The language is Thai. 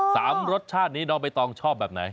สามรสชาตินี้น้องใบตองชอบแบบไหน